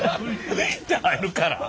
グイッて入るから。